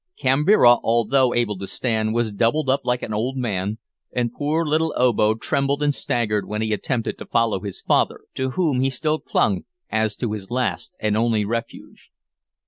Kambira, although able to stand, was doubled up like an old man, and poor little Obo trembled and staggered when he attempted to follow his father, to whom he still clung as to his last and only refuge.